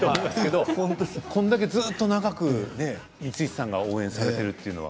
これだけずっと長く光石さんが応援されているというのは。